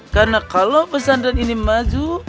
karena kalau pesandaran ini maju